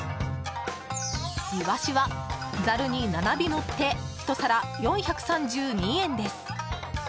イワシはザルに７尾のって１皿４３２円です。